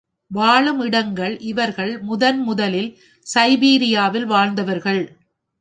வாழும் இடங்கள் இவர்கள் முதன் முதலில் சைபீரியாவில் வாழ்ந்தவர்கள்.